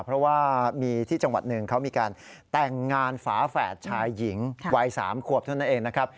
เพราะว่ามีที่จังหวัดหนึ่งเขามีการแต่งงานฝาแฝดชายหญิงวัย๓ขวบเท่านั้นเองนะครับ